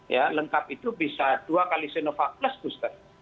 ya lengkap itu bisa dua kali sinovac plus booster